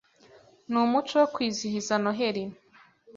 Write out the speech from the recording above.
Ni umuco wo kwizihiza Noheri.